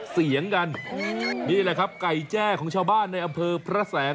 เสียงกันนี่แหละครับไก่แจ้ของชาวบ้านในอำเภอพระแสง